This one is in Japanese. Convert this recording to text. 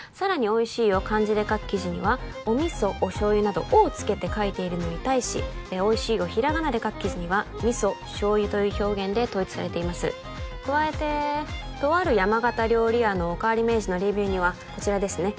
「おいしい」を漢字で書く記事にはお味噌お醤油など「お」を付けて書いているのに対し「おいしい」をひらがなで書く記事には味噌醤油という表現で統一されています加えてとある山形料理屋のおかわり名人のレビューにはこちらですね